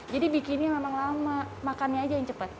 bikinnya memang lama makannya aja yang cepat